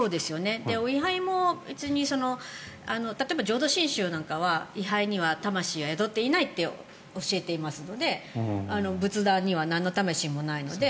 位牌も例えば浄土真宗なんかは位牌に魂は宿っていないと教えていますので仏壇には何の魂もないので。